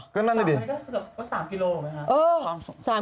๓๐๐๐เมตรสำหรับว่า๓กิโลเมตรไหมครับ